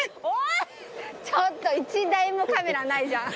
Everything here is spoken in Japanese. ちょっと１台もカメラないじゃん。